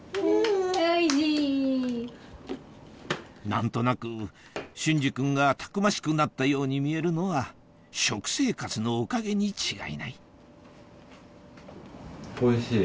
何となく隼司君がたくましくなったように見えるのは食生活のおかげに違いないおいしい？